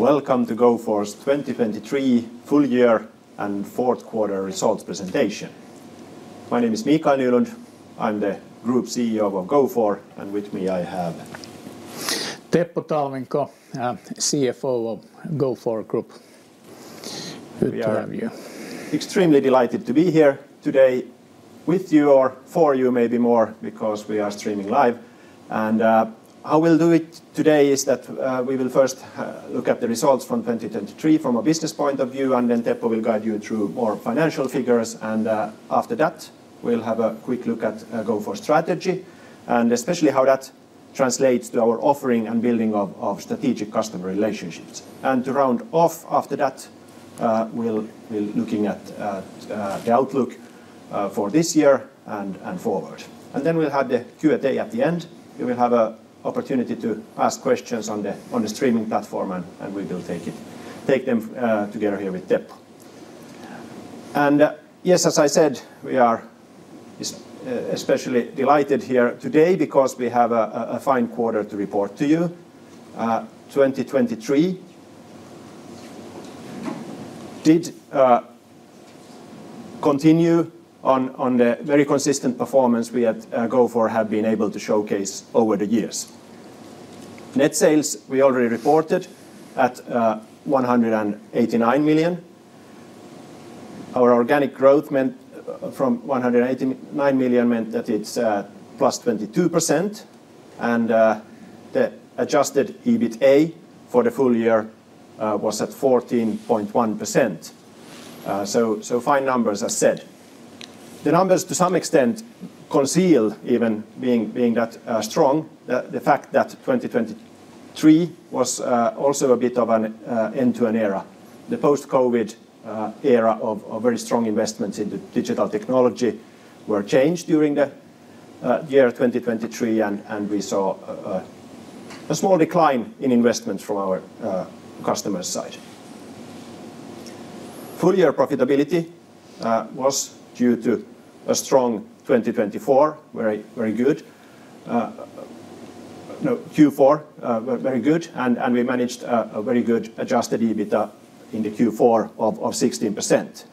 Welcome to Gofore's 2023 full year and fourth quarter results presentation. My name is Mikael Nylund. I'm the Group CEO of Gofore, and with me I have. Teppo Talvinko, CFO of Gofore Group. Good to have you. Extremely delighted to be here today with you or for you, maybe more, because we are streaming live. How we'll do it today is that we will first look at the results from 2023 from a business point of view, and then Teppo will guide you through more financial figures. After that, we'll have a quick look at Gofore's strategy, and especially how that translates to our offering and building of strategic customer relationships. To round off after that, we'll be looking at the outlook for this year and forward. Then we'll have the Q&A at the end. You will have an opportunity to ask questions on the streaming platform, and we will take them together here with Teppo. And, yes, as I said, we are especially delighted here today because we have a fine quarter to report to you. 2023 did continue on the very consistent performance we at Gofore have been able to showcase over the years. Net sales, we already reported at 189 million. Our organic growth meant from 189 million meant that it's +22%, and the Adjusted EBITA for the full year was at 14.1%. So, fine numbers, as said. The numbers, to some extent, conceal, even being that strong, the fact that 2023 was also a bit of an end to an era. The post-COVID era of very strong investments into digital technology changed during the year 2023, and we saw a small decline in investments from our customers' side. Full year profitability was due to a strong 2024, very good. No, Q4, very good, and we managed a very good Adjusted EBITA in the Q4 of 16%.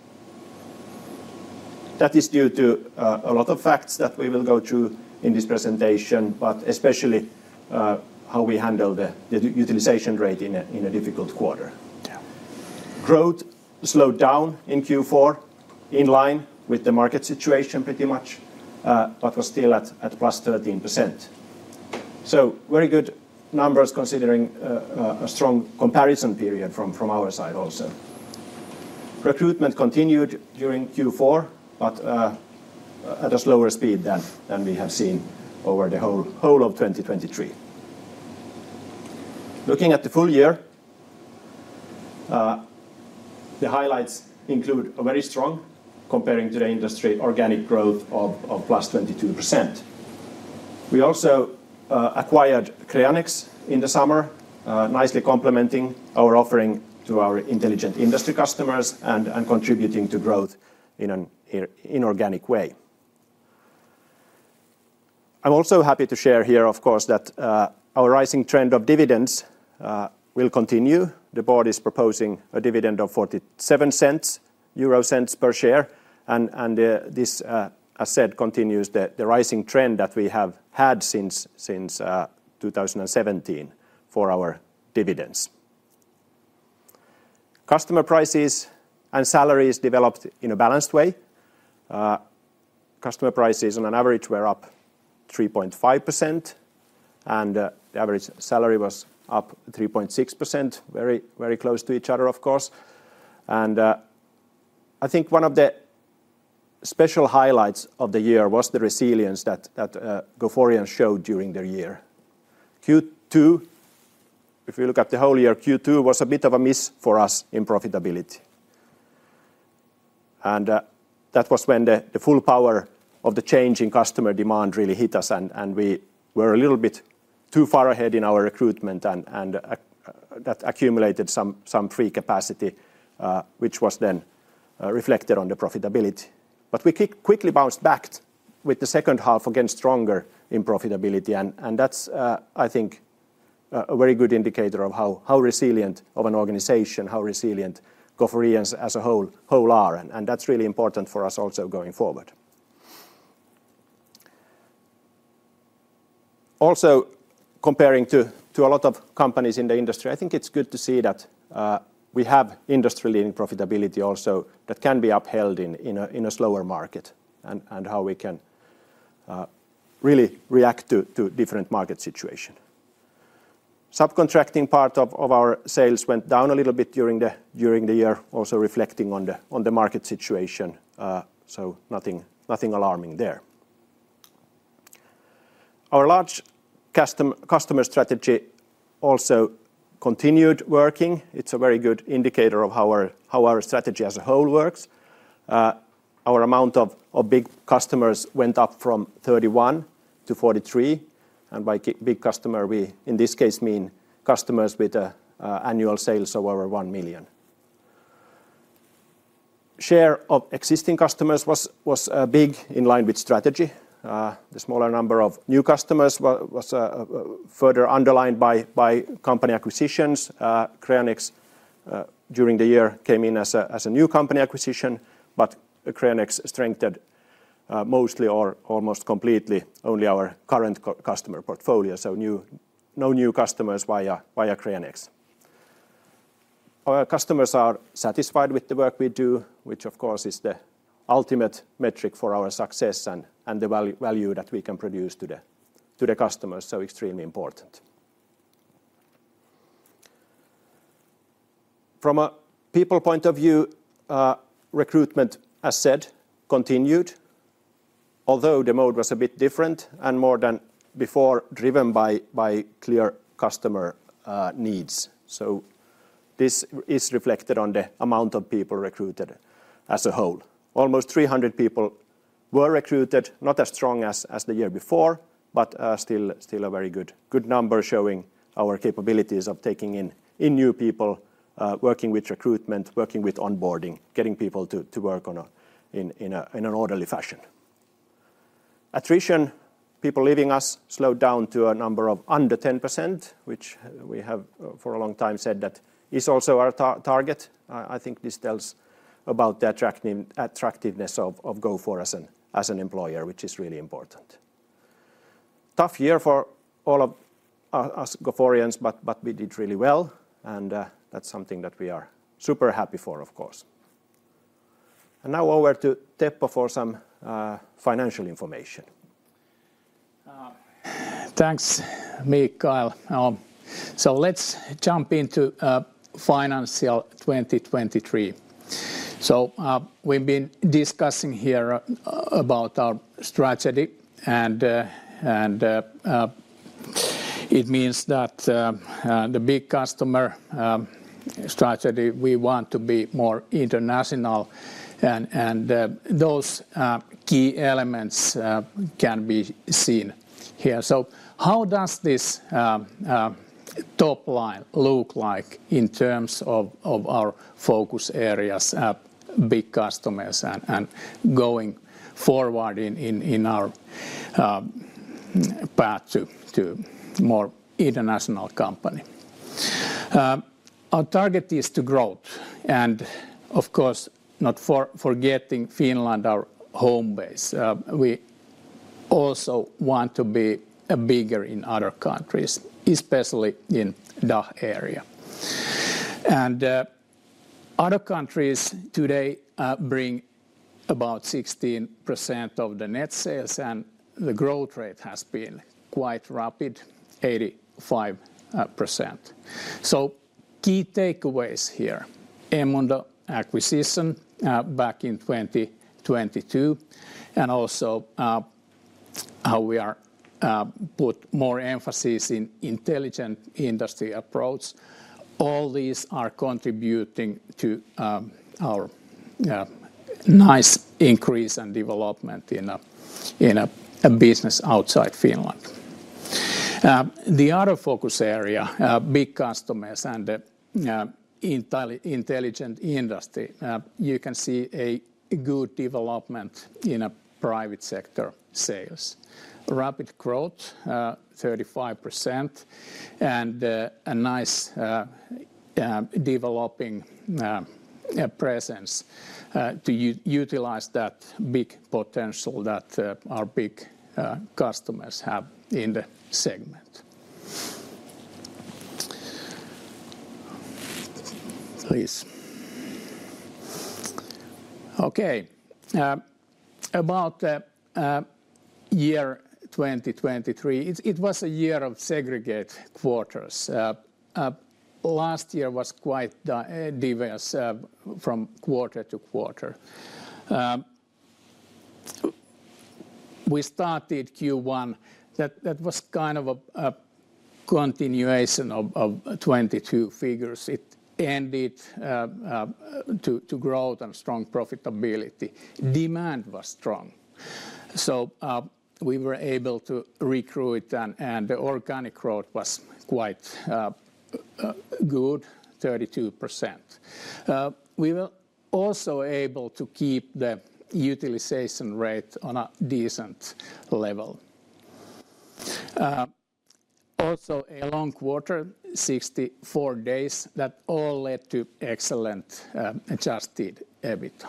That is due to a lot of facts that we will go through in this presentation, but especially how we handle the utilization rate in a difficult quarter. Growth slowed down in Q4, in line with the market situation pretty much, but was still at +13%. So, very good numbers considering a strong comparison period from our side also. Recruitment continued during Q4, but at a slower speed than we have seen over the whole of 2023. Looking at the full year, the highlights include a very strong, comparing to the industry, Organic Growth of +22%. We also acquired Creanex in the summer, nicely complementing our offering to our Intelligent Industry customers and contributing to growth in an inorganic way. I'm also happy to share here, of course, that our rising trend of dividends will continue. The board is proposing a dividend of 0.47 per share, and this, as said, continues the rising trend that we have had since 2017 for our dividends. Customer prices and salaries developed in a balanced way. Customer prices, on average, were up 3.5%, and the average salary was up 3.6%, very close to each other, of course. I think one of the special highlights of the year was the resilience that Goforeans showed during the year. Q2, if we look at the whole year, Q2 was a bit of a miss for us in profitability. That was when the full power of the change in customer demand really hit us, and we were a little bit too far ahead in our recruitment, and that accumulated some free capacity, which was then reflected on the profitability. But we quickly bounced back with the second half, again stronger in profitability. And that's, I think, a very good indicator of how resilient an organization, how resilient Goforeans as a whole are. And that's really important for us also going forward. Also, comparing to a lot of companies in the industry, I think it's good to see that we have industry-leading profitability also that can be upheld in a slower market and how we can really react to different market situations. Subcontracting part of our sales went down a little bit during the year, also reflecting on the market situation. So, nothing alarming there. Our large customer strategy also continued working. It's a very good indicator of how our strategy as a whole works. Our amount of big customers went up from 31 to 43. By big customer, we in this case mean customers with annual sales of over 1 million. Share of existing customers was big in line with strategy. The smaller number of new customers was further underlined by company acquisitions. Creanex, during the year, came in as a new company acquisition, but Creanex strengthened mostly, or almost completely, only our current customer portfolio. No new customers via Creanex. Our customers are satisfied with the work we do, which, of course, is the ultimate metric for our success and the value that we can produce to the customers. Extremely important. From a people point of view, recruitment, as said, continued, although the mode was a bit different and more than before driven by clear customer needs. This is reflected on the amount of people recruited as a whole. Almost 300 people were recruited, not as strong as the year before, but still a very good number showing our capabilities of taking in new people, working with recruitment, working with onboarding, getting people to work in an orderly fashion. Attrition, people leaving us, slowed down to a number of under 10%, which we have for a long time said that is also our target. I think this tells about the attractiveness of Gofore as an employer, which is really important. Tough year for all of us Goforeans, but we did really well, and that's something that we are super happy for, of course. Now over to Teppo for some financial information. Thanks, Mikael. So, let's jump into financial 2023. So, we've been discussing here about our strategy, and it means that the big customer strategy, we want to be more international, and those key elements can be seen here. So, how does this top line look like in terms of our focus areas, big customers, and going forward in our path to a more international company? Our target is to growth, and of course, not forgetting Finland, our home base. We also want to be bigger in other countries, especially in the DACH area. Other countries today bring about 16% of the net sales, and the growth rate has been quite rapid, 85%. So, key takeaways here: eMundo acquisition back in 2022, and also how we put more emphasis in Intelligent Industry approaches. All these are contributing to our nice increase and development in a business outside Finland. The other focus area, big customers and the Intelligent Industry, you can see a good development in private sector sales. Rapid growth, 35%, and a nice developing presence to utilize that big potential that our big customers have in the segment. Please. Okay. About the year 2023, it was a year of segregated quarters. Last year was quite diverse from quarter to quarter. We started Q1. That was kind of a continuation of 2022 figures. It ended to growth and strong profitability. Demand was strong. So, we were able to recruit, and the Organic Growth was quite good, 32%. We were also able to keep the Utilization Rate on a decent level. Also, a long quarter, 64 days, that all led to excellent Adjusted EBITA.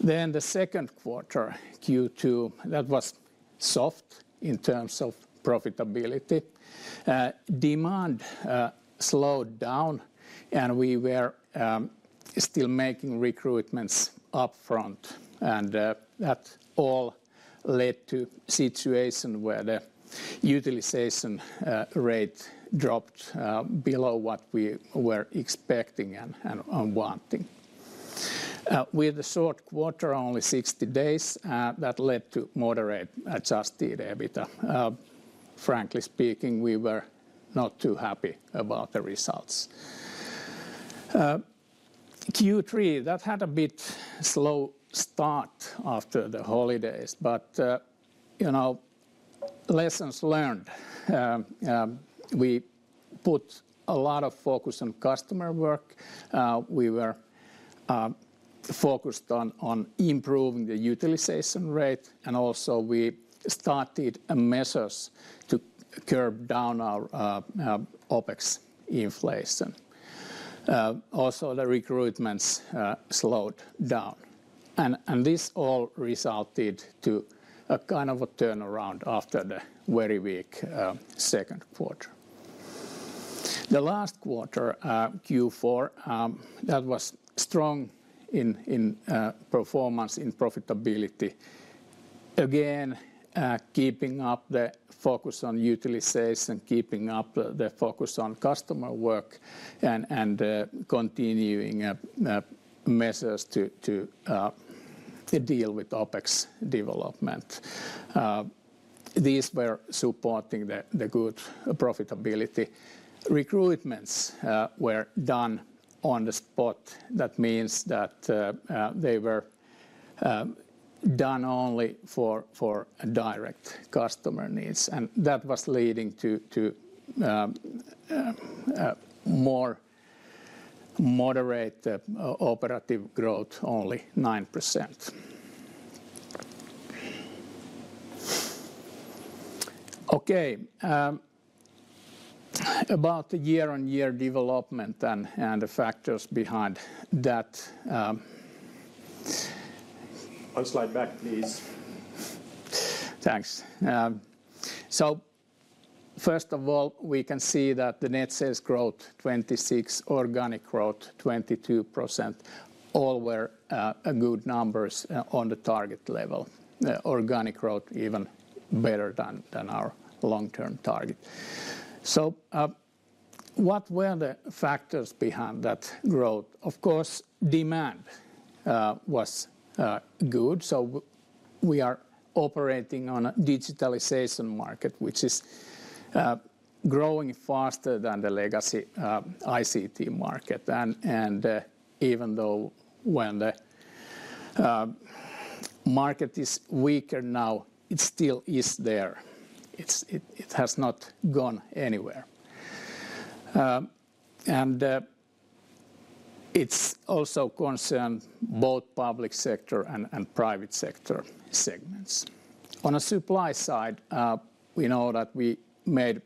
Then, the second quarter, Q2, that was soft in terms of profitability. Demand slowed down, and we were still making recruitments upfront, and that all led to a situation where the utilization rate dropped below what we were expecting and wanting. With a short quarter, only 60 days, that led to moderate Adjusted EBITA. Frankly speaking, we were not too happy about the results. Q3, that had a bit slow start after the holidays, but lessons learned. We put a lot of focus on customer work. We were focused on improving the utilization rate, and also we started measures to curb down our OPEX inflation. Also, the recruitments slowed down. And this all resulted in kind of a turnaround after the very weak second quarter. The last quarter, Q4, that was strong in performance, in profitability. Again, keeping up the focus on utilization, keeping up the focus on customer work, and continuing measures to deal with OPEX development. These were supporting the good profitability. Recruitments were done on the spot. That means that they were done only for direct customer needs, and that was leading to more moderate operative growth, only 9%. Okay. About the year-on-year development and the factors behind that. One slide back, please. Thanks. So, first of all, we can see that the net sales growth, 26%, organic growth, 22%, all were good numbers on the target level. Organic growth even better than our long-term target. So, what were the factors behind that growth? Of course, demand was good. So, we are operating on a digitalization market, which is growing faster than the legacy ICT market. And even though when the market is weaker now, it still is there. It has not gone anywhere. And it's also concerning both public sector and private sector segments. On the supply side, we know that we made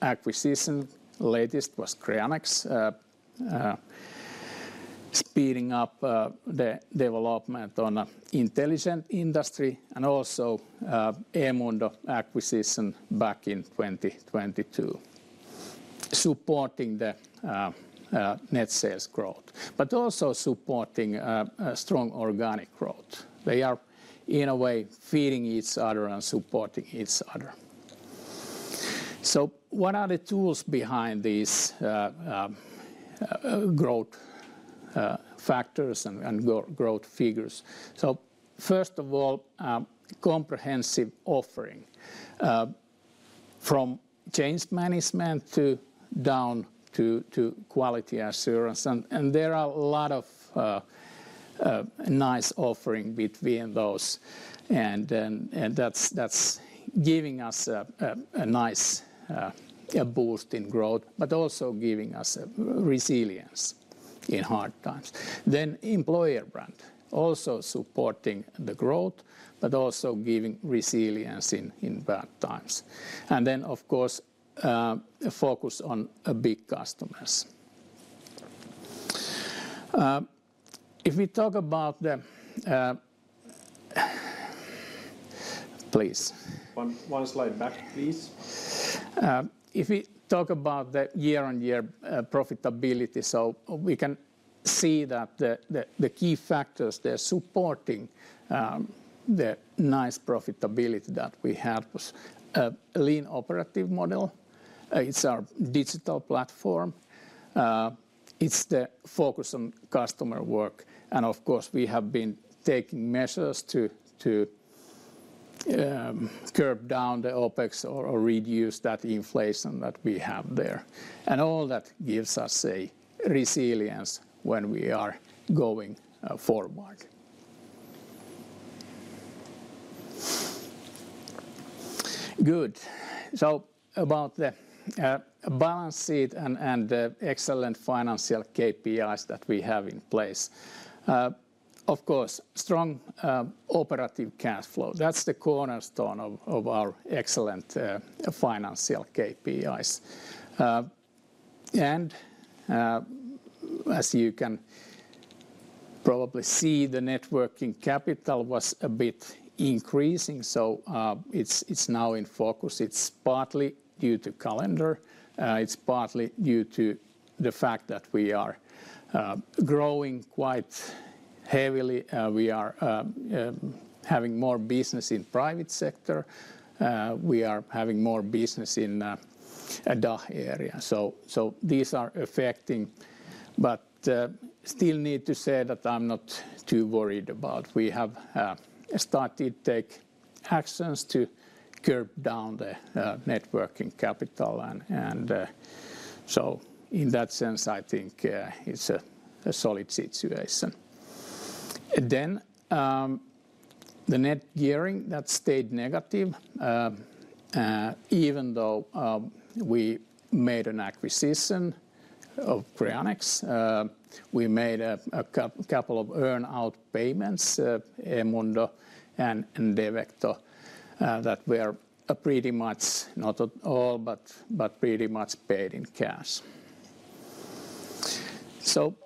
acquisitions. Latest was Creanex, speeding up the development on the Intelligent Industry, and also eMundo acquisition back in 2022, supporting the net sales growth, but also supporting strong organic growth. They are, in a way, feeding each other and supporting each other. So, what are the tools behind these growth factors and growth figures? So, first of all, comprehensive offering from change management down to quality assurance. And there are a lot of nice offerings between those, and that's giving us a nice boost in growth, but also giving us resilience in hard times. Then, employer brand, also supporting the growth, but also giving resilience in bad times. And then, of course, a focus on big customers. If we talk about the... Please. One slide back, please. If we talk about the year-on-year profitability, so we can see that the key factors there supporting the nice profitability that we had was a lean operative model. It's our digital platform. It's the focus on customer work. And of course, we have been taking measures to curb down the OPEX or reduce that inflation that we have there. And all that gives us a resilience when we are going forward. Good. So, about the balance sheet and the excellent financial KPIs that we have in place. Of course, strong operative cash flow. That's the cornerstone of our excellent financial KPIs. And as you can probably see, the net working capital was a bit increasing, so it's now in focus. It's partly due to calendar. It's partly due to the fact that we are growing quite heavily. We are having more business in the private sector. We are having more business in the DACH area. So, these are affecting, but still need to say that I'm not too worried about. We have started to take actions to curb down the net working capital. So, in that sense, I think it's a solid situation. Then, the net gearing that stayed negative, even though we made an acquisition of Creanex, we made a couple of earn-out payments, eMundo and Devecto, that were pretty much, not all, but pretty much paid in cash. So,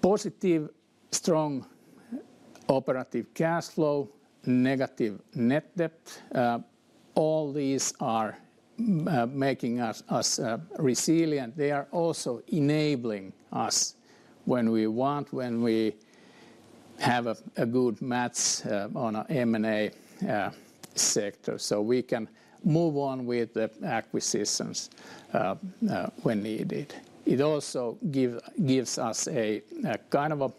positive, strong operating cash flow, negative net debt, all these are making us resilient. They are also enabling us when we want, when we have a good match on the M&A sector, so we can move on with the acquisitions when needed. It also gives us a kind of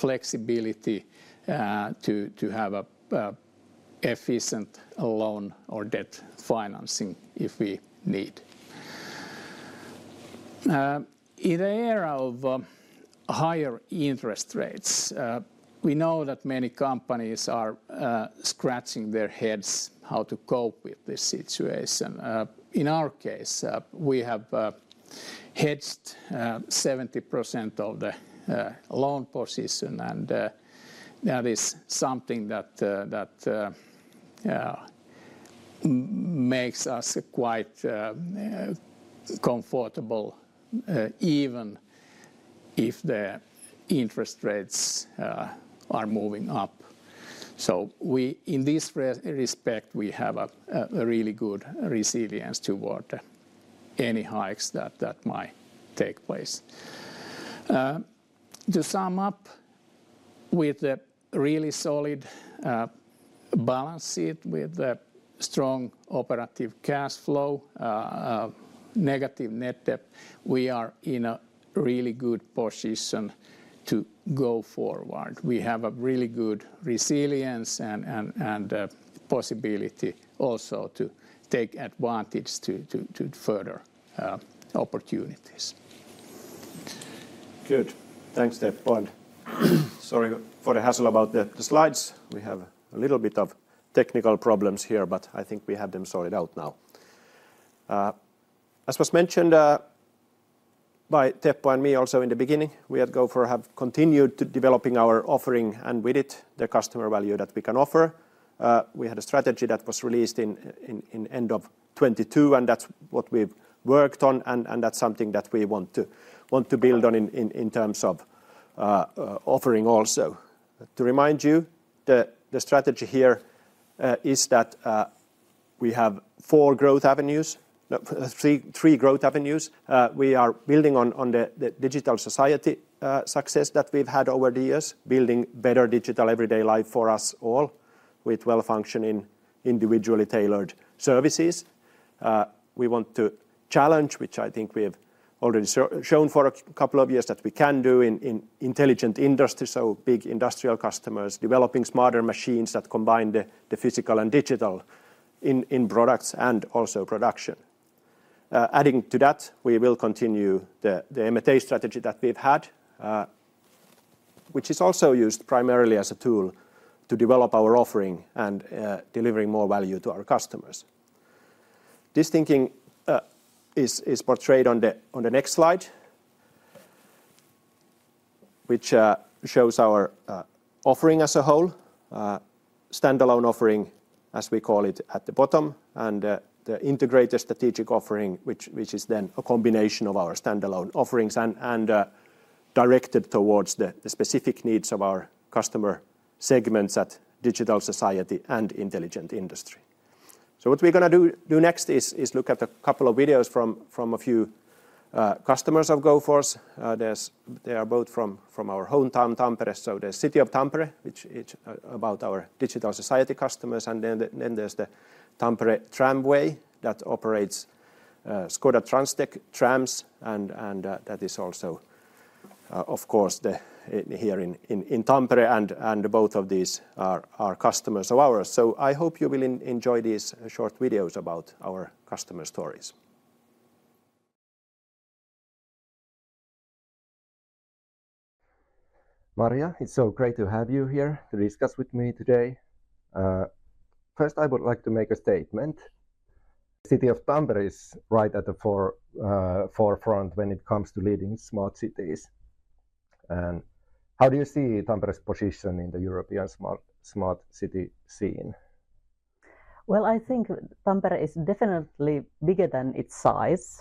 flexibility to have efficient loan or debt financing if we need. In the era of higher interest rates, we know that many companies are scratching their heads how to cope with this situation. In our case, we have hedged 70% of the loan position, and that is something that makes us quite comfortable, even if the interest rates are moving up. So, in this respect, we have a really good resilience towards any hikes that might take place. To sum up, with a really solid balance sheet, with a strong operative cash flow, negative net debt, we are in a really good position to go forward. We have a really good resilience and possibility also to take advantage of further opportunities. Good. Thanks, Teppo. And sorry for the hassle about the slides. We have a little bit of technical problems here, but I think we have them sorted out now. As was mentioned by Teppo and me also in the beginning, we at Gofore have continued developing our offering and with it the customer value that we can offer. We had a strategy that was released in the end of 2022, and that's what we've worked on, and that's something that we want to build on in terms of offering also. To remind you, the strategy here is that we have four growth avenues, three growth avenues. We are building on the Digital Society success that we've had over the years, building better digital everyday life for us all with well-functioning, individually tailored services. We want to challenge, which I think we've already shown for a couple of years, that we can do in Intelligent Industry, so big industrial customers, developing smarter machines that combine the physical and digital in products and also production. Adding to that, we will continue the M&A strategy that we've had, which is also used primarily as a tool to develop our offering and delivering more value to our customers. This thinking is portrayed on the next slide, which shows our offering as a whole, standalone offering, as we call it at the bottom, and the integrated strategic offering, which is then a combination of our standalone offerings and directed towards the specific needs of our customer segments at Digital Society and Intelligent Industry. So, what we're going to do next is look at a couple of videos from a few customers of Gofore. They are both from our hometown, Tampere. So, there's the City of Tampere, which is about our Digital Society customers, and then there's the Tampere tramway that operates Škoda Transtech trams, and that is also, of course, here in Tampere, and both of these are customers of ours. So, I hope you will enjoy these short videos about our customer stories. Marja, it's so great to have you here to discuss with me today. First, I would like to make a statement. The City of Tampere is right at the forefront when it comes to leading smart cities. And how do you see Tampere's position in the European smart city scene? Well, I think Tampere is definitely bigger than its size,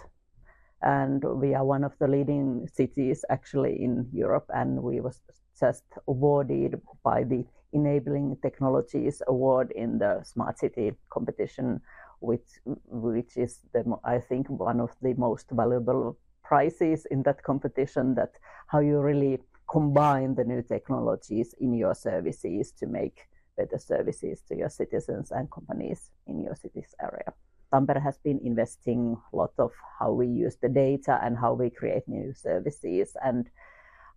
and we are one of the leading cities actually in Europe, and we were just awarded by the Enabling Technologies Award in the smart city competition, which is, I think, one of the most valuable prizes in that competition, that how you really combine the new technologies in your services to make better services to your citizens and companies in your city's area. Tampere has been investing a lot in how we use the data and how we create new services and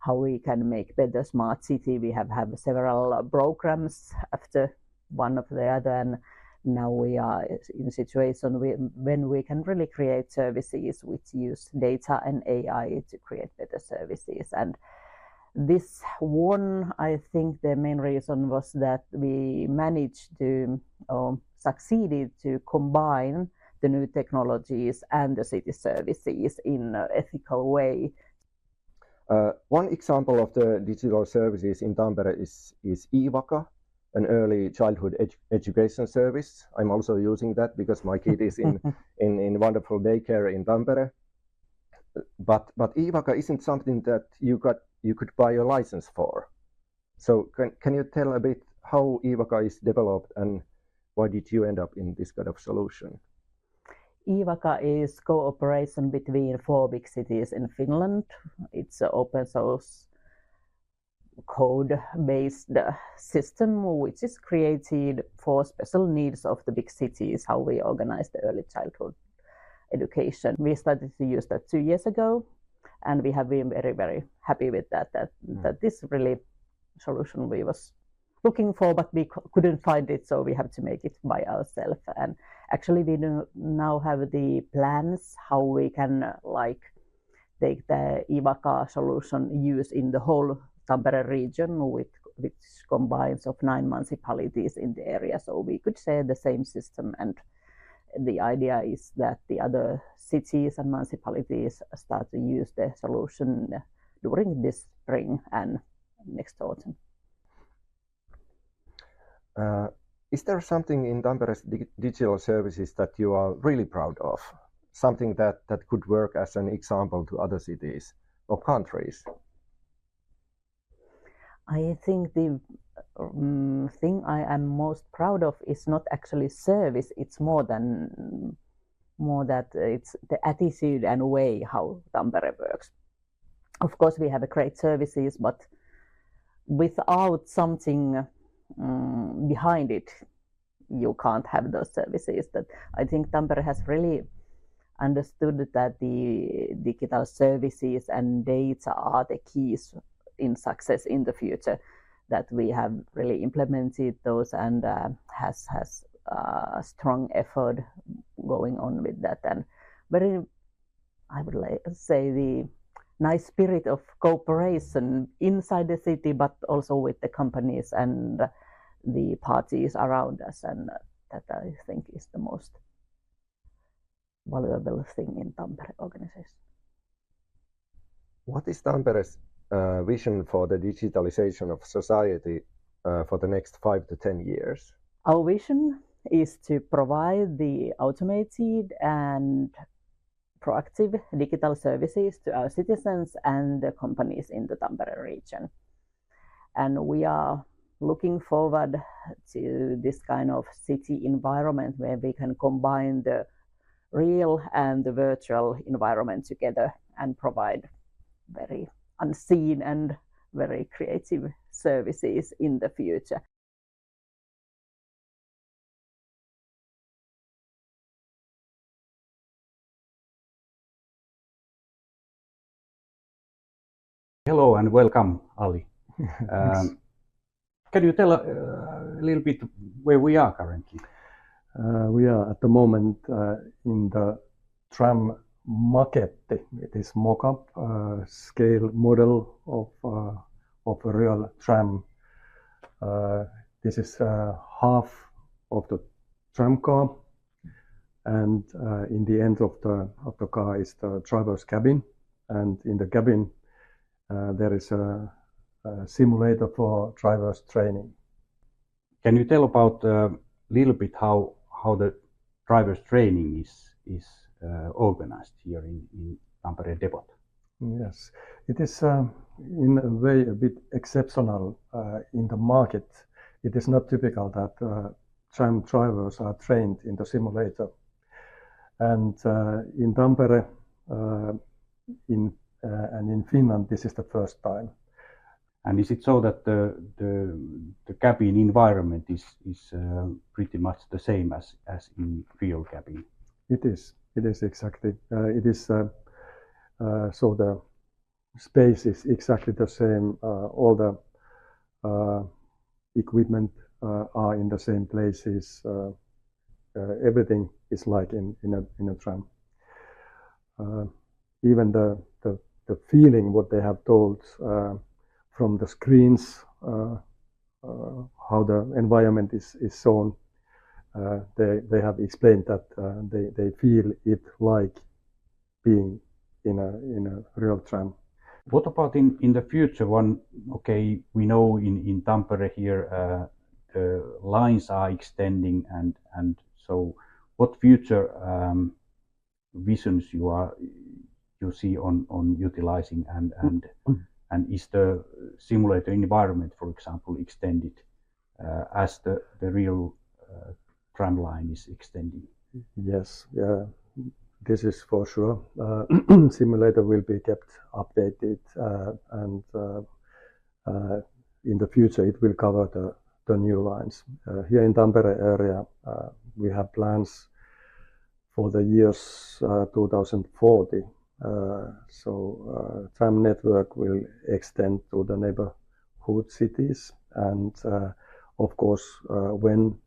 how we can make a better smart city. We have several programs after one after the other, and now we are in a situation where we can really create services which use data and AI to create better services. This one, I think the main reason was that we managed to succeed to combine the new technologies and the city services in an ethical way. One example of the digital services in Tampere is eVaka, an early childhood education service. I'm also using that because my kid is in wonderful daycare in Tampere. But eVaka isn't something that you could buy a license for. So, can you tell a bit how eVaka is developed and why did you end up in this kind of solution? eVaka is a cooperation between four big cities in Finland. It's an open-source code-based system, which is created for special needs of the big cities, how we organize the early childhood education. We started to use that two years ago, and we have been very, very happy with that, that this really solution we were looking for, but we couldn't find it, so we had to make it by ourselves. Actually, we now have the plans how we can take the eVaka solution used in the whole Tampere region, which combines nine municipalities in the area, so we could share the same system. The idea is that the other cities and municipalities start to use the solution during this spring and next autumn. Is there something in Tampere's digital services that you are really proud of, something that could work as an example to other cities or countries? I think the thing I am most proud of is not actually service. It's more that it's the attitude and way how Tampere works. Of course, we have great services, but without something behind it, you can't have those services. I think Tampere has really understood that the digital services and data are the keys to success in the future, that we have really implemented those and have a strong effort going on with that. And very, I would say, the nice spirit of cooperation inside the city, but also with the companies and the parties around us, and that I think is the most valuable thing in the Tampere organization. What is Tampere's vision for the digitalization of society for the next five to 10 years? Our vision is to provide automated and proactive digital services to our citizens and the companies in the Tampere region. We are looking forward to this kind of city environment where we can combine the real and the virtual environment together and provide very unseen and very creative services in the future. Hello and welcome, Ali. Can you tell a little bit where we are currently? We are at the moment in the tram maketti. It is a mock-up scale model of a real tram. This is half of the tram car, and in the end of the car is the driver's cabin. In the cabin, there is a simulator for driver's training. Can you tell about a little bit how the driver's training is organized here in Tampere Depot? Yes. It is in a way a bit exceptional. In the market, it is not typical that tram drivers are trained in the simulator. In Tampere and in Finland, this is the first time. Is it so that the cabin environment is pretty much the same as in a real cabin? It is. It is exactly. It is so the space is exactly the same. All the equipment is in the same places. Everything is like in a tram. Even the feeling, what they have told from the screens, how the environment is shown, they have explained that they feel it like being in a real tram. What about in the future? Okay, we know in Tampere here the lines are extending, and so what future visions do you see on utilizing? And is the simulator environment, for example, extended as the real tram line is extending? Yes. Yeah, this is for sure. The simulator will be kept updated, and in the future, it will cover the new lines. Here in the Tampere area, we have plans for the year 2040. So, the tram network will extend to the neighborhood cities, and of course, when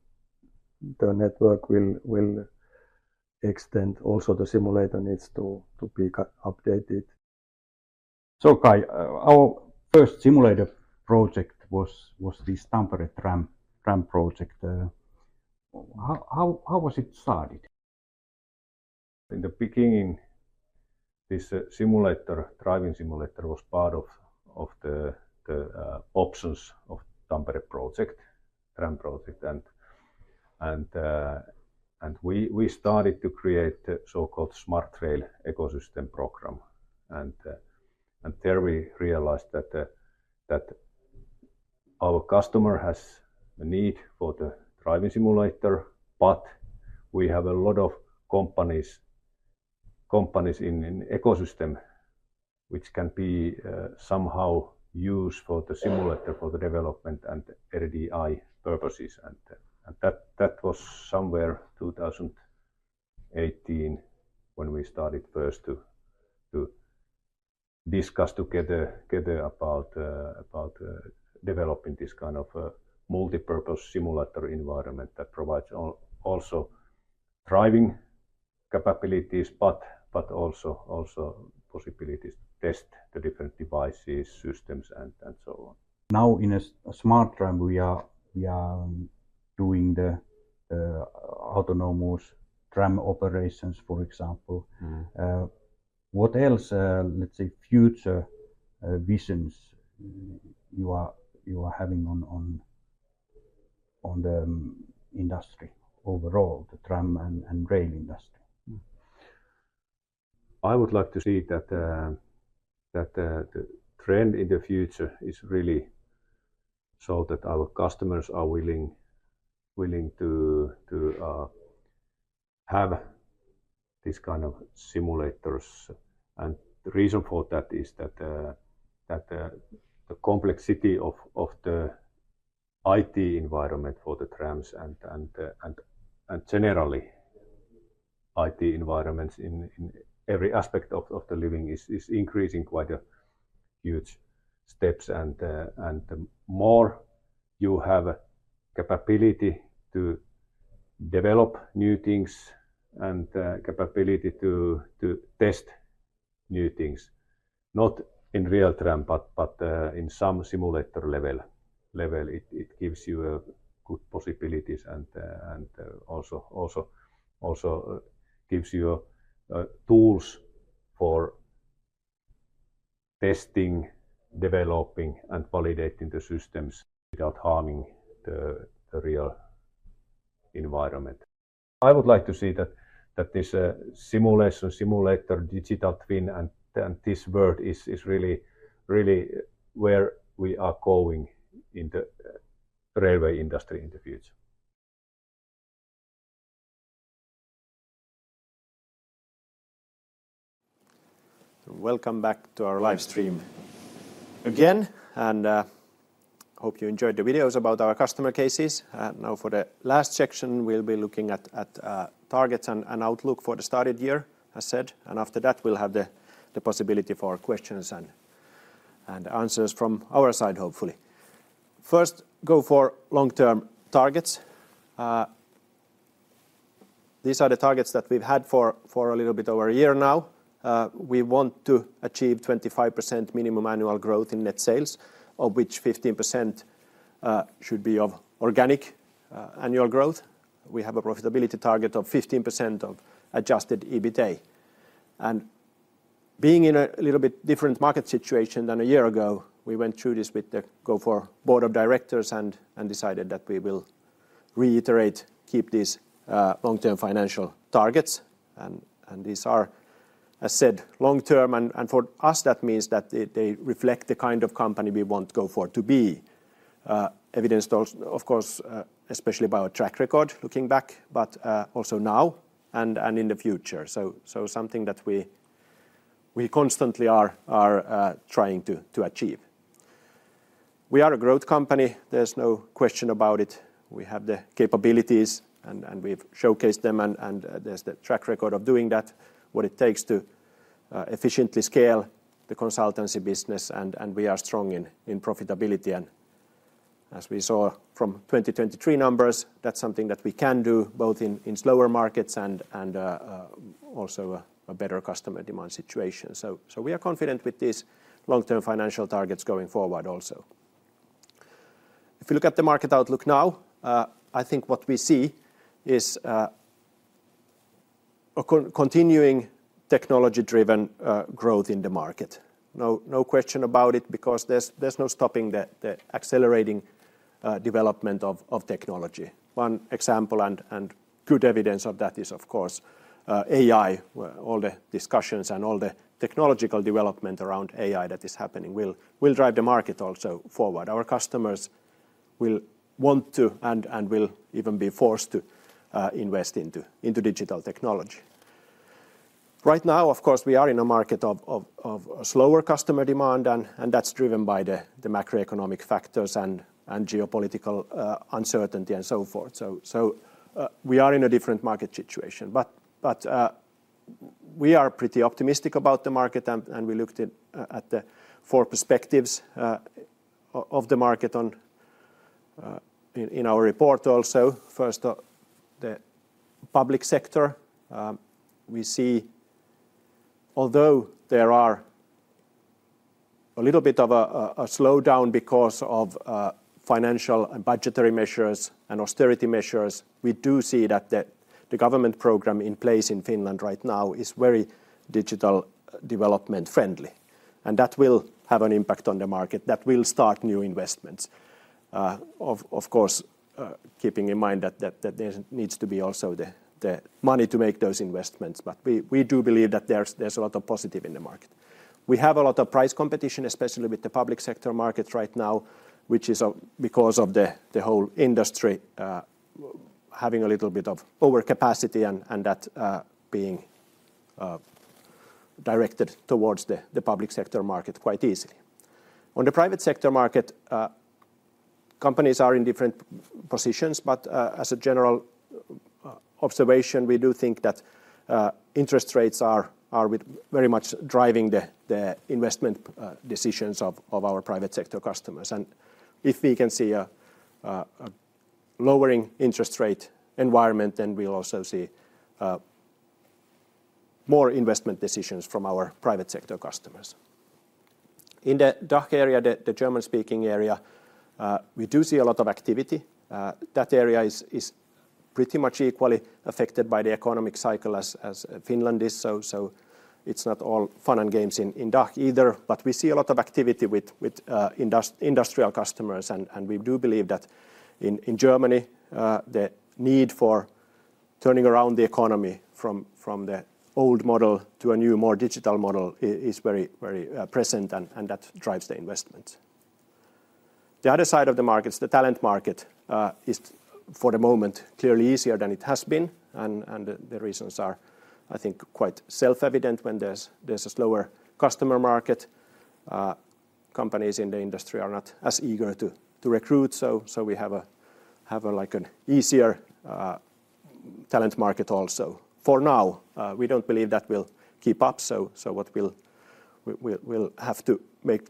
the network will extend, also the simulator needs to be updated. So, Kai, our first simulator project was this Tampere tram project. How was it started? In the beginning, this simulator, driving simulator, was part of the options of the Tampere project, tram project. We started to create the so-called SmartRail ecosystem program. There we realized that our customer has a need for the driving simulator, but we have a lot of companies in the ecosystem which can be somehow used for the simulator, for the development and RDI purposes. That was somewhere in 2018 when we started first to discuss together about developing this kind of multipurpose simulator environment that provides also driving capabilities, but also possibilities to test the different devices, systems, and so on. Now, in a smart tram, we are doing the autonomous tram operations, for example. What else, let's say, future visions do you have on the industry overall, the tram and rail industry? I would like to see that the trend in the future is really so that our customers are willing to have this kind of simulators. And the reason for that is that the complexity of the IT environment for the trams and generally IT environments in every aspect of the living is increasing quite a huge step. And the more you have the capability to develop new things and the capability to test new things, not in a real tram, but in some simulator level, it gives you good possibilities and also gives you tools for testing, developing, and validating the systems without harming the real environment. I would like to see that this simulation, simulator, digital twin, and this world is really where we are going in the railway industry in the future. Welcome back to our live stream again, and I hope you enjoyed the videos about our customer cases. Now, for the last section, we'll be looking at targets and outlook for the started year, as said. After that, we'll have the possibility for questions and answers from our side, hopefully. First, Gofore long-term targets. These are the targets that we've had for a little bit over a year now. We want to achieve 25% minimum annual growth in net sales, of which 15% should be of organic annual growth. We have a profitability target of 15% of Adjusted EBITA. Being in a little bit different market situation than a year ago, we went through this with the Gofore board of directors and decided that we will reiterate, keep these long-term financial targets. These are, as said, long-term. For us, that means that they reflect the kind of company we want Gofore to be, evidenced, of course, especially by our track record looking back, but also now and in the future. So something that we constantly are trying to achieve. We are a growth company. There's no question about it. We have the capabilities, and we've showcased them. There's the track record of doing that, what it takes to efficiently scale the consultancy business. We are strong in profitability. As we saw from 2023 numbers, that's something that we can do both in slower markets and also a better customer demand situation. So we are confident with these long-term financial targets going forward also. If you look at the market outlook now, I think what we see is a continuing technology-driven growth in the market. No question about it because there's no stopping the accelerating development of technology. One example and good evidence of that is, of course, AI. All the discussions and all the technological development around AI that is happening will drive the market also forward. Our customers will want to and will even be forced to invest into digital technology. Right now, of course, we are in a market of slower customer demand, and that's driven by the macroeconomic factors and geopolitical uncertainty and so forth. So we are in a different market situation. But we are pretty optimistic about the market, and we looked at the four perspectives of the market in our report also. First, the public sector. We see, although there is a little bit of a slowdown because of financial and budgetary measures and austerity measures, we do see that the government program in place in Finland right now is very digital development-friendly. That will have an impact on the market. That will start new investments, of course, keeping in mind that there needs to be also the money to make those investments. But we do believe that there's a lot of positive in the market. We have a lot of price competition, especially with the public sector markets right now, which is because of the whole industry having a little bit of overcapacity and that being directed towards the public sector market quite easily. On the private sector market, companies are in different positions. As a general observation, we do think that interest rates are very much driving the investment decisions of our private sector customers. If we can see a lowering interest rate environment, then we'll also see more investment decisions from our private sector customers. In the DACH area, the German-speaking area, we do see a lot of activity. That area is pretty much equally affected by the economic cycle as Finland is. It's not all fun and games in DACH either. We see a lot of activity with industrial customers. We do believe that in Germany, the need for turning around the economy from the old model to a new, more digital model is very present, and that drives the investments. The other side of the market, the talent market, is for the moment clearly easier than it has been. And the reasons are, I think, quite self-evident. When there's a slower customer market, companies in the industry are not as eager to recruit. So we have an easier talent market also. For now, we don't believe that will keep up. So we'll have to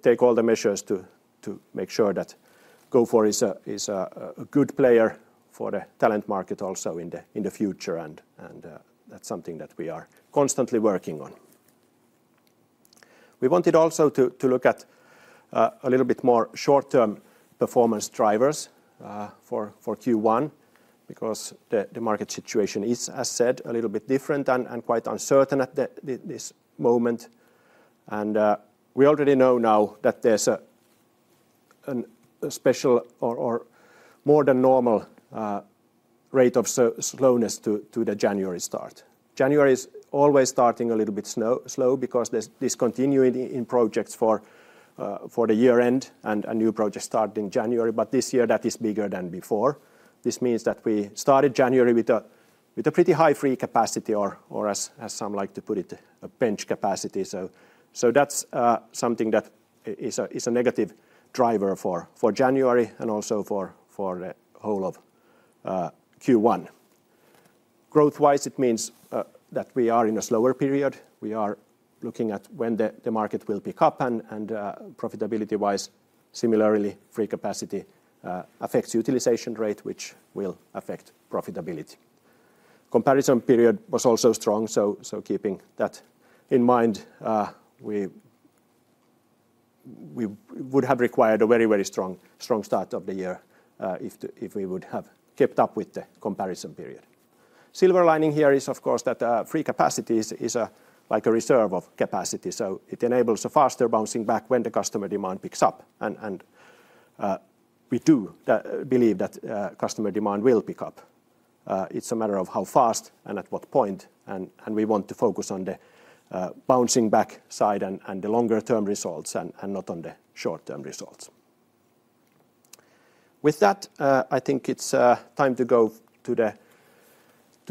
take all the measures to make sure that Gofore is a good player for the talent market also in the future. And that's something that we are constantly working on. We wanted also to look at a little bit more short-term performance drivers for Q1 because the market situation is, as said, a little bit different and quite uncertain at this moment. And we already know now that there's a special or more than normal rate of slowness to the January start. January is always starting a little bit slow because there's discontinuity in projects for the year-end and new projects start in January. But this year, that is bigger than before. This means that we started January with a pretty high free capacity or, as some like to put it, a bench capacity. So that's something that is a negative driver for January and also for the whole of Q1. Growth-wise, it means that we are in a slower period. We are looking at when the market will pick up. And profitability-wise, similarly, free capacity affects utilization rate, which will affect profitability. The comparison period was also strong. So keeping that in mind, we would have required a very, very strong start of the year if we would have kept up with the comparison period. The silver lining here is, of course, that free capacity is like a reserve of capacity. So it enables a faster bouncing back when the customer demand picks up. And we do believe that customer demand will pick up. It's a matter of how fast and at what point. And we want to focus on the bouncing back side and the longer-term results and not on the short-term results. With that, I think it's time to go to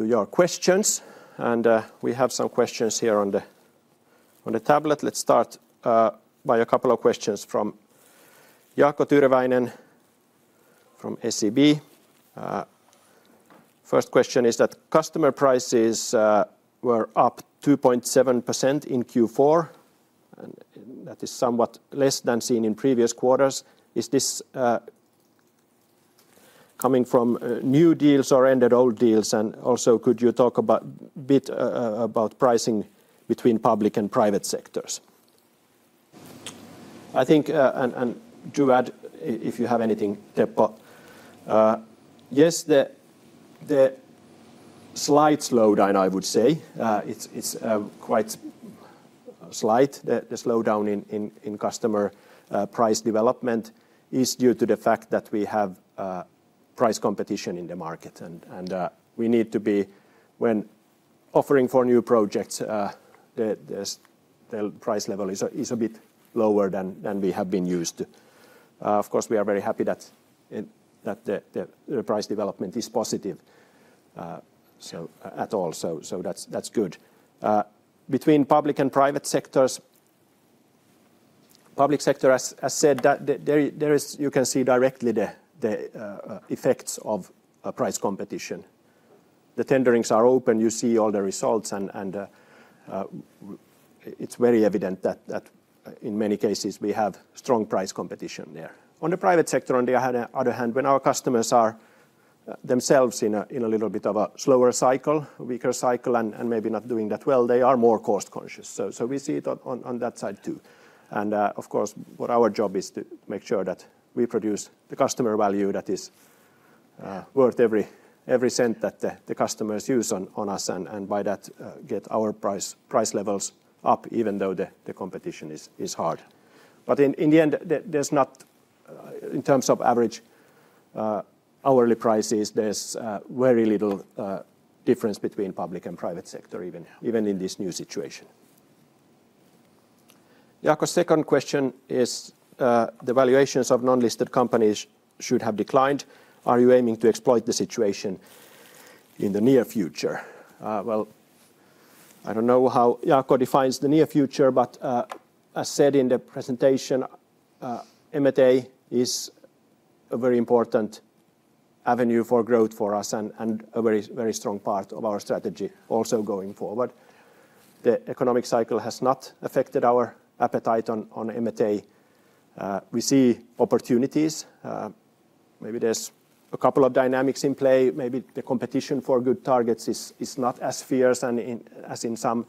your questions. And we have some questions here on the tablet. Let's start by a couple of questions from Jaakko Tyrväinen from SEB. The first question is that customer prices were up 2.7% in Q4. And that is somewhat less than seen in previous quarters. Is this coming from new deals or ended old deals? And also, could you talk a bit about pricing between public and private sectors? I think, and do add if you have anything, Teppo. Yes, the slight slowdown, I would say, it's quite slight. The slowdown in customer price development is due to the fact that we have price competition in the market. And we need to be, when offering for new projects, the price level is a bit lower than we have been used to. Of course, we are very happy that the price development is positive at all. So that's good. Between public and private sectors, the public sector, as said, you can see directly the effects of price competition. The tenderings are open. You see all the results. And it's very evident that in many cases, we have strong price competition there. On the private sector, on the other hand, when our customers are themselves in a little bit of a slower cycle, a weaker cycle, and maybe not doing that well, they are more cost-conscious. So we see it on that side too. And of course, what our job is to make sure that we produce the customer value that is worth every cent that the customers use on us and by that get our price levels up even though the competition is hard. But in the end, there's not, in terms of average hourly prices, there's very little difference between public and private sector, even in this new situation. Jaakko, second question is, the valuations of non-listed companies should have declined. Are you aiming to exploit the situation in the near future? Well, I don't know how Jaakko defines the near future. But as said in the presentation, M&A is a very important avenue for growth for us and a very strong part of our strategy also going forward. The economic cycle has not affected our appetite on M&A. We see opportunities. Maybe there's a couple of dynamics in play. Maybe the competition for good targets is not as fierce as in some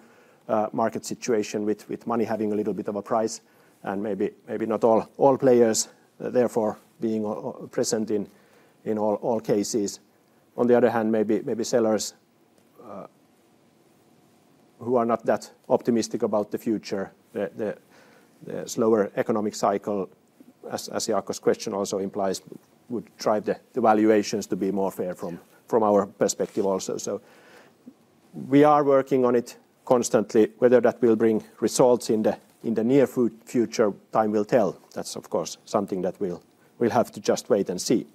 market situation with money having a little bit of a price and maybe not all players therefore being present in all cases. On the other hand, maybe sellers who are not that optimistic about the future, the slower economic cycle, as Jaakko's question also implies, would drive the valuations to be more fair from our perspective also. So we are working on it constantly. Whether that will bring results in the near future, time will tell. That's, of course, something that we'll have to just wait and see.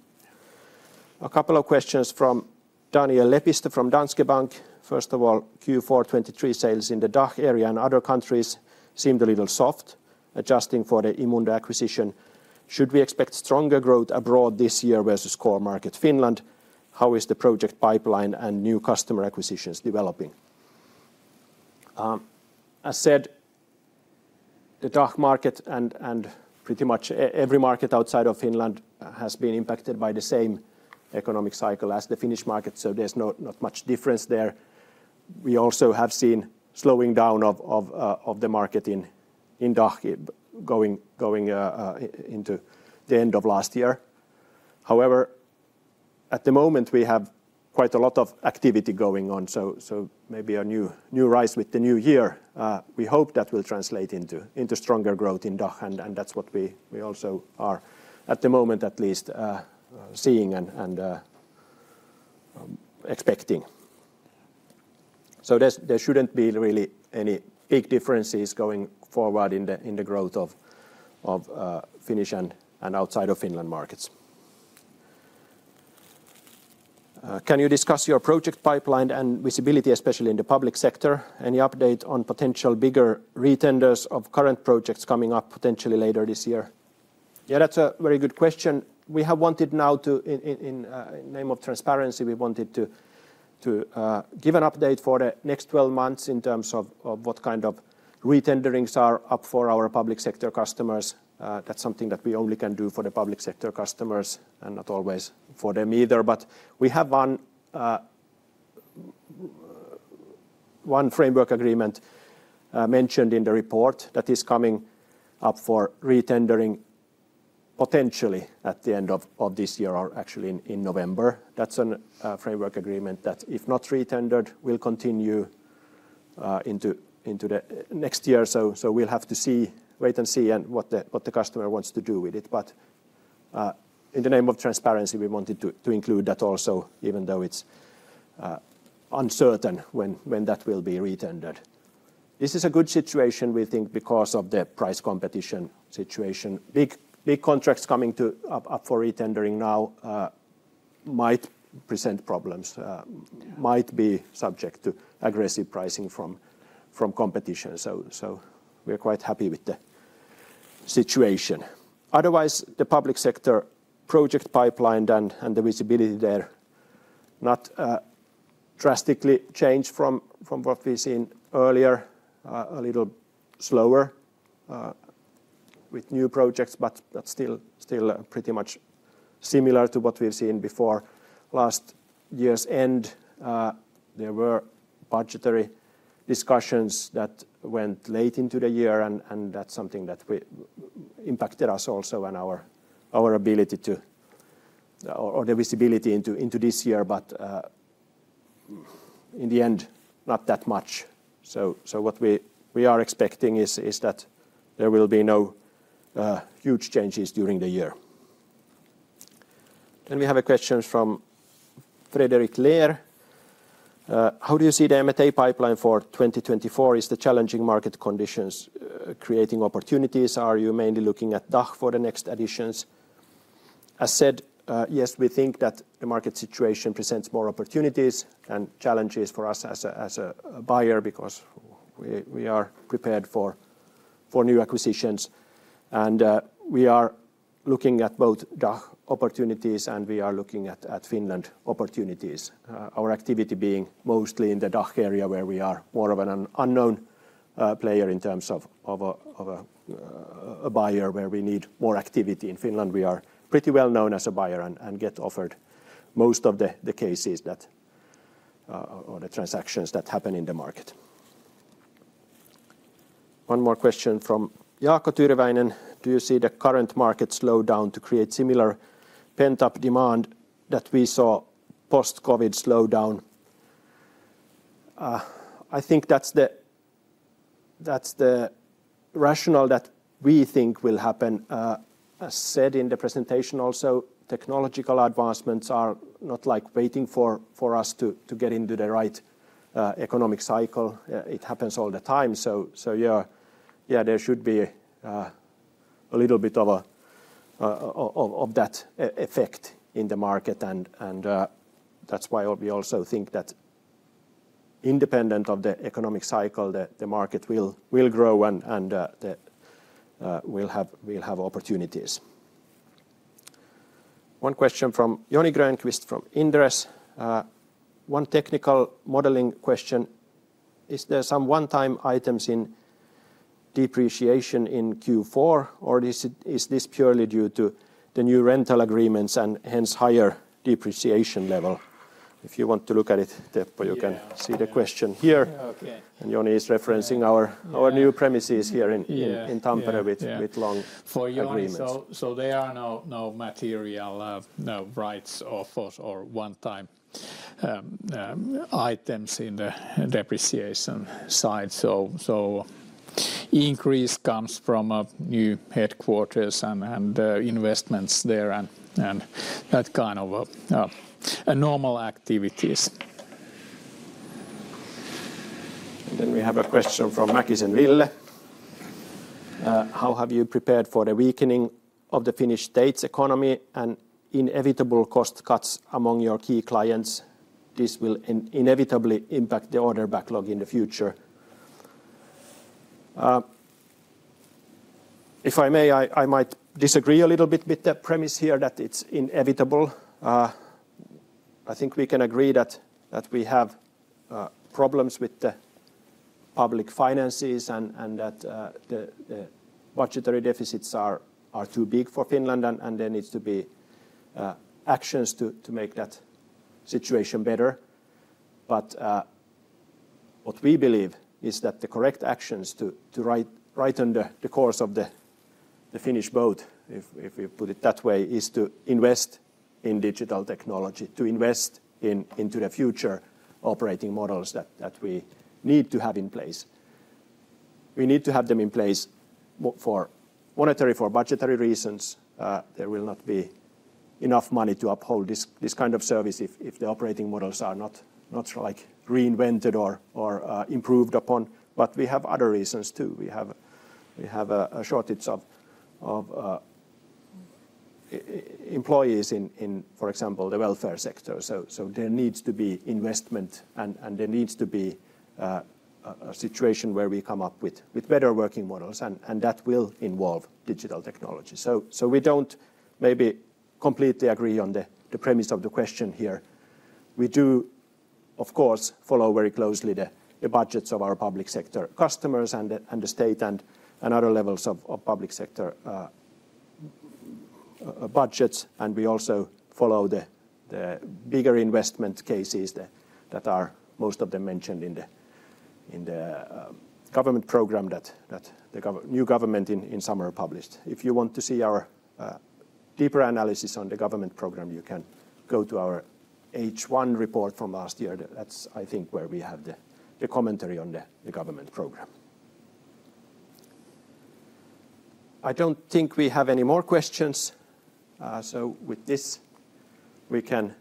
A couple of questions from Daniel Leppä from Danske Bank. First of all, Q4 2023 sales in the DACH area and other countries seemed a little soft, adjusting for the eMundo acquisition. Should we expect stronger growth abroad this year versus core market Finland? How is the project pipeline and new customer acquisitions developing? As said, the DACH market and pretty much every market outside of Finland has been impacted by the same economic cycle as the Finnish market. So there's not much difference there. We also have seen slowing down of the market in DACH going into the end of last year. However, at the moment, we have quite a lot of activity going on. So maybe a new rise with the new year, we hope that will translate into stronger growth in DACH. And that's what we also are, at the moment at least, seeing and expecting. So there shouldn't be really any big differences going forward in the growth of Finnish and outside of Finland markets. Can you discuss your project pipeline and visibility, especially in the public sector? Any update on potential bigger retenders of current projects coming up potentially later this year? Yeah, that's a very good question. We have wanted now to, in the name of transparency, we wanted to give an update for the next 12 months in terms of what kind of retenderings are up for our public sector customers. That's something that we only can do for the public sector customers and not always for them either. But we have one framework agreement mentioned in the report that is coming up for retendering potentially at the end of this year or actually in November. That's a framework agreement that, if not retendered, will continue into the next year. So we'll have to wait and see what the customer wants to do with it. But in the name of transparency, we wanted to include that also, even though it's uncertain when that will be retendered. This is a good situation, we think, because of the price competition situation. Big contracts coming up for retendering now might present problems, might be subject to aggressive pricing from competition. So we're quite happy with the situation. Otherwise, the public sector project pipeline and the visibility there not drastically changed from what we've seen earlier, a little slower with new projects, but still pretty much similar to what we've seen before. Last year's end, there were budgetary discussions that went late into the year. And that's something that impacted us also and our ability to, or the visibility into this year. But in the end, not that much. So what we are expecting is that there will be no huge changes during the year. Then we have a question from Frederick Leer. How do you see the M&A pipeline for 2024? Is the challenging market conditions creating opportunities? Are you mainly looking at DACH for the next additions? As said, yes, we think that the market situation presents more opportunities and challenges for us as a buyer because we are prepared for new acquisitions. And we are looking at both DACH opportunities and we are looking at Finland opportunities, our activity being mostly in the DACH area where we are more of an unknown player in terms of a buyer where we need more activity in Finland. We are pretty well known as a buyer and get offered most of the cases or the transactions that happen in the market. One more question from Jaakko Tyrväinen. Do you see the current market slowdown to create similar pent-up demand that we saw post-COVID slowdown? I think that's the rationale that we think will happen. As said in the presentation also, technological advancements are not like waiting for us to get into the right economic cycle. It happens all the time. So yeah, there should be a little bit of that effect in the market. And that's why we also think that independent of the economic cycle, the market will grow and we'll have opportunities. One question from Joni Grönqvist from Inderes. One technical modeling question. Is there some one-time items in depreciation in Q4? Or is this purely due to the new rental agreements and hence higher depreciation level? If you want to look at it, Teppo, you can see the question here. And Joni is referencing our new premises here in Tampere with long agreements. For your end, so there are no material, no rights or one-time items in the depreciation side. So increase comes from new headquarters and investments there and that kind of normal activities. Then we have a question from Ville Mäkinen. How have you prepared for the weakening of the Finnish state's economy and inevitable cost cuts among your key clients? This will inevitably impact the order backlog in the future. If I may, I might disagree a little bit with the premise here that it's inevitable. I think we can agree that we have problems with the public finances and that the budgetary deficits are too big for Finland. And there needs to be actions to make that situation better. But what we believe is that the correct actions to righten the course of the Finnish boat, if we put it that way, is to invest in digital technology, to invest into the future operating models that we need to have in place. We need to have them in place for monetary, for budgetary reasons. There will not be enough money to uphold this kind of service if the operating models are not reinvented or improved upon. But we have other reasons too. We have a shortage of employees in, for example, the welfare sector. So there needs to be investment and there needs to be a situation where we come up with better working models. And that will involve digital technology. So we don't maybe completely agree on the premise of the question here. We do, of course, follow very closely the budgets of our public sector customers and the state and other levels of public sector budgets. And we also follow the bigger investment cases that are most of them mentioned in the government program that the new government in summer published. If you want to see our deeper analysis on the government program, you can go to our H1 report from last year. That's, I think, where we have the commentary on the government program. I don't think we have any more questions. So with this, we can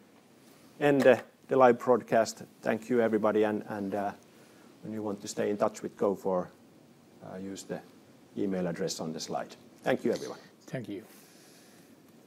end the live broadcast. Thank you, everybody. And when you want to stay in touch with Gofore, use the email address on the slide. Thank you, everyone. Thank you.